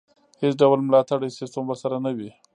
هېڅ ډول ملاتړی سیستم ورسره نه وي.